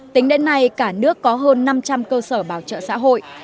tính đến nay cả nước có hơn năm trăm linh cơ sở bảo trợ xã hội